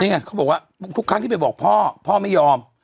นี่ไงเขาบอกว่าทุกครั้งที่ไปบอกพ่อพ่อไม่ยอม